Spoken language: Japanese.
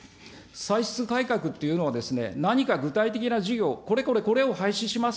歳出改革っていうのは何か具体的な事業、これこれこれを廃止します、